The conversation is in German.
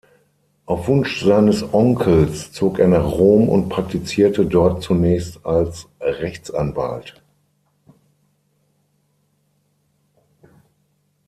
Auf Wunsch seines Onkels zog er nach Rom und praktizierte dort zunächst als Rechtsanwalt.